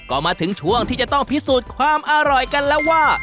ก็มาถึงช่วงที่จะต้องพิสูจน์ความอร่อยกันแล้วว่า